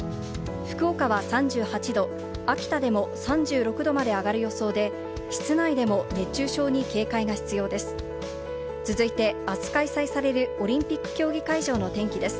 福岡は３８度、秋田でも３６度まで上がる予想で、室内でも熱中症に警戒が必要です。